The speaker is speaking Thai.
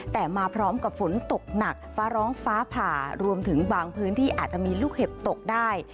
แต่มาพร้อมกับฝนตกหนักฟ้าร้องฟ้าผ่ารวมถึงบางพื้นที่อาจจะมีลูกเห็บตกได้